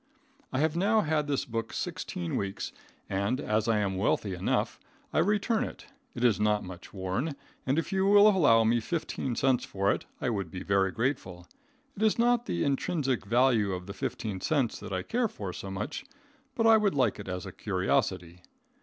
I have now had this book sixteen weeks, and, as I am wealthy enough, I return it. It is not much worn, and if you will allow me fifteen cents for it, I would be very grateful. It is not the intrinsic value of the fifteen cents that I care for so much, but I would like it as a curiosity.